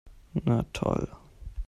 Na toll!